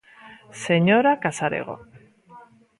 Señora Casarego.